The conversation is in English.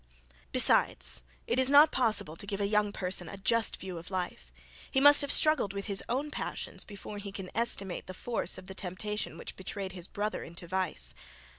Besides, it is not possible to give a young person a just view of life; he must have struggled with his own passions before he can estimate the force of the temptation which betrayed his brother into vice.